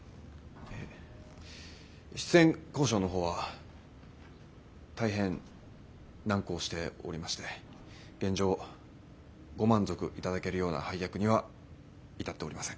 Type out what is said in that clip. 出演交渉の方は大変難航しておりまして現状ご満足いただけるような配役には至っておりません。